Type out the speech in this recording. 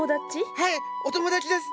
はいお友達です。